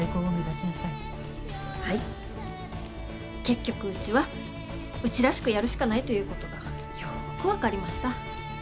結局うちはうちらしくやるしかないということがよく分かりました。